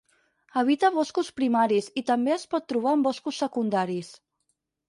Habita boscos primaris i també es pot trobar en boscos secundaris.